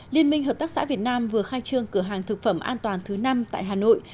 liên minh hợp tác xã việt nam vừa khai trương cửa hàng thực phẩm an toàn thứ năm tại hà nội